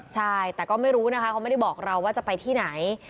ใช่แต่ก็ไม่รู้นะคะเขาไม่ได้บอกเราว่าจะไปที่ไหน